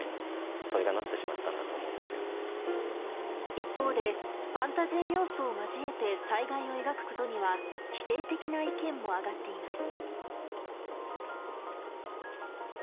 一方でファンタジー要素を交えて災害を描くことには否定的な意見も挙がっています。